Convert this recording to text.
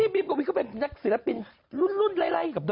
บิบก็เป็นนักศิลปินรุ่นอะไร